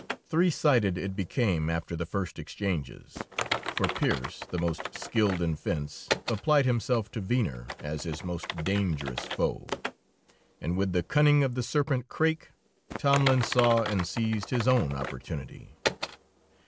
Three sided it became after the first exchanges. For Pearse, the most skilled in fence, applied himself to Venner as his most dangerous foe, and with the cunning of the serpent Craik Tomlin saw and seized his own opportunity.